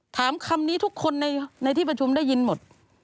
ถามคำนี้ทุกคนในที่ประชุมได้ยินหมด